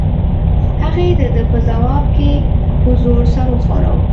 هغې د ده په ځواب کې په زور سر وښوراوه.